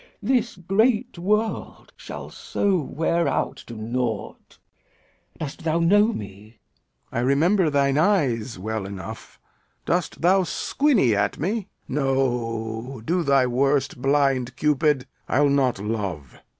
This great world Shall so wear out to naught. Dost thou know me? Lear. I remember thine eyes well enough. Dost thou squiny at me? No, do thy worst, blind Cupid! I'll not love.